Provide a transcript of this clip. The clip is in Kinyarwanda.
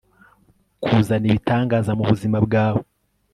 kuzana ibitangaza mubuzima bwawe